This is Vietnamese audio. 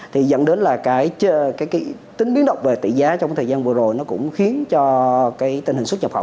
thì dẫn đến là cái tính biến động về tỷ giá trong thời gian vừa rồi nó cũng khiến cho cái tình hình xuất nhập khẩu